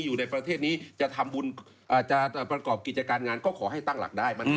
อยู่ในประเทศนี้จะทำบุญจะประกอบกิจการงานก็ขอให้ตั้งหลักได้